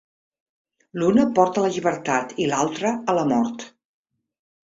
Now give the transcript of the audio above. L'una porta a la llibertat i l'altra a la mort.